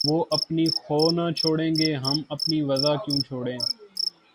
وہ اپنی خو نہ چھوڑیں گے‘ ہم اپنی وضع کیوں چھوڑیں!